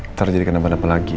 ntar jadi kenapa napa lagi